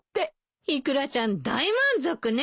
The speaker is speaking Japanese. イクラちゃん大満足ね。